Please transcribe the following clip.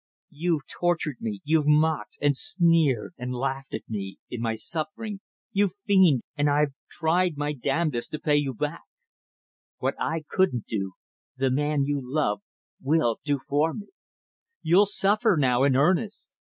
You've tortured me you've mocked and sneered and laughed at me in my suffering you fiend and I've tried my damnedest to pay you back. What I couldn't do the man you love will do for me. You'll suffer now in earnest.